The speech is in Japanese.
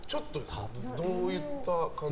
どういった感じの。